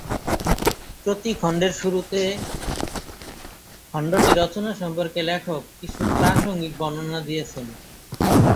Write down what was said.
প্রতি খণ্ডের শুরুতে খণ্ডটি রচনা সম্পর্কে লেখক কিছু প্রাসঙ্গিক বর্ণনা দিয়েছেন।